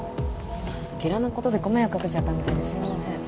ゲラのことでご迷惑かけちゃったみたいですいません